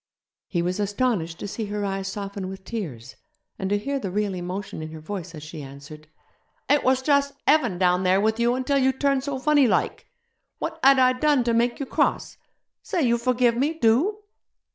He was astonished to see her eyes soften with tears, and to hear the real emotion in her voice as she answered, 'It was just heaven down there with you until you turned so funny like. What had I done to make you cross? Say you forgive me, do!'